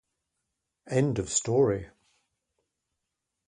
End of story.